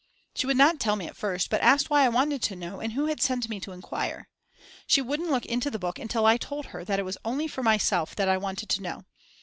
She would not tell me at first but asked why I wanted to know and who had sent me to enquire. She wouldn't look into the book until I told her that it was only for myself that I wanted to know.